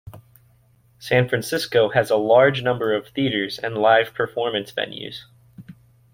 San Francisco has a large number of theaters and live performance venues.